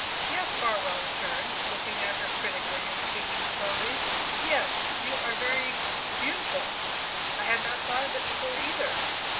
"Yes," Farwell returned, looking at her critically and speaking slowly. "Yes, you are very beautiful. I had not thought of it before, either."